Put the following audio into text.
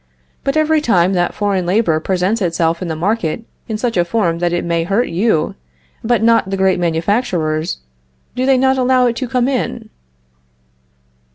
But every time that foreign labor presents itself in the market in such a form that it may hurt you, but not the great manufacturers, do they not allow it to come in?